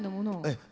ええ。